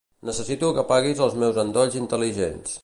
Necessito que apaguis els meus endolls intel·ligents.